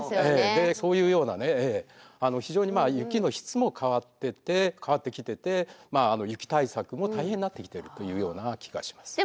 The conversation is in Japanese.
そういうようなね非常に雪の質も変わってきてて雪対策も大変になってきてるというような気がします。